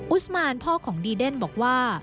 อุสมานพ่อของดีเดนบอกว่า